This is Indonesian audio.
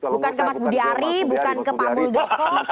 bukan ke mas budi ari bukan ke pak muldoko